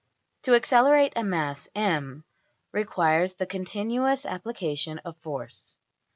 To accelerate a mass~$m$ requires the continuous application of force.